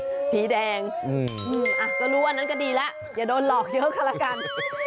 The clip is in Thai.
ผีแดงก็รู้อันนั้นก็ดีแล้วอย่าโดนหลอกเยอะก็แล้วกัน